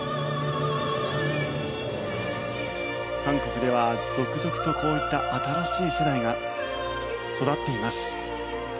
韓国では続々とこういった新しい世代が育っています。